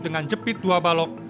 dengan jepit dua balok